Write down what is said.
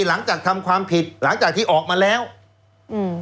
หลังจากทำความผิดหลังจากที่ออกมาแล้วอืม